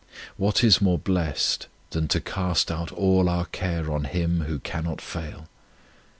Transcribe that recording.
What is more blessed than to cast all our care on Him Who cannot fail